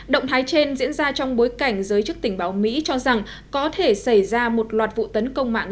động thái trên diễn ra trong bối cảnh giới chức tình báo mỹ cho rằng có thể xảy ra một loạt vụ tấn công mạng